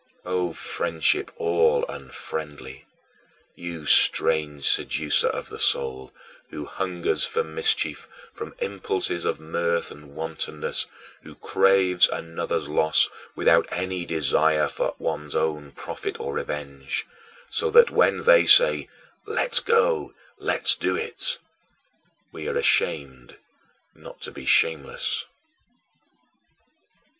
O friendship all unfriendly! You strange seducer of the soul, who hungers for mischief from impulses of mirth and wantonness, who craves another's loss without any desire for one's own profit or revenge so that, when they say, "Let's go, let's do it," we are ashamed not to be shameless.